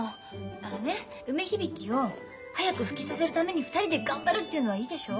あのね梅響を早く復帰させるために２人で頑張るっていうのはいいでしょ？